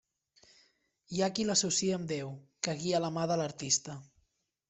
Hi ha qui l'associa amb Déu, que guia la mà de l'artista.